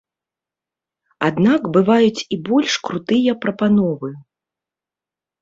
Аднак бываюць і больш крутыя прапановы.